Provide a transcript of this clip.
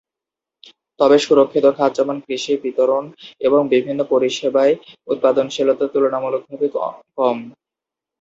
তবে সুরক্ষিত খাত যেমন কৃষি, বিতরণ এবং বিভিন্ন পরিষেবায় উৎপাদনশীলতা তুলনামূলকভাবে কম।